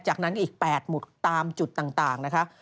จากนั้นอีก๘หมุดตามจุดต่างนะคะ